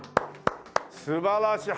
素晴らしい！